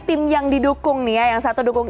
tim yang didukung nih ya yang satu dukung